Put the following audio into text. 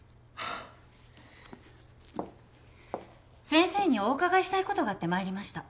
先生にお伺いしたいことがあって参りました。